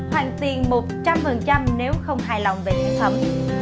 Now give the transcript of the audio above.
hoàn tiền một trăm linh nếu không hài lòng về thực phẩm